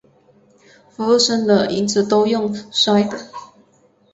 服务生椅子都用摔的